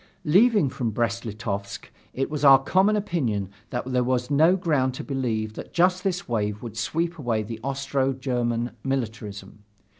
Leaving for Brest Litovsk, it was our common opinion that there was no ground to believe that just this wave would sweep away the Austro German militarism.